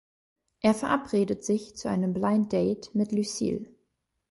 Er verabredet sich zu einem Blind Date mit Lucille.